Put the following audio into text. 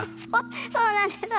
そうなんですあの。